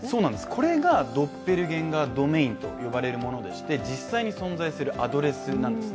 これがドッペルゲンガー・ドメインと呼ばれるものでして、実際に存在するアドレスなんです。